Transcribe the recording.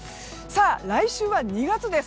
来週は２月です。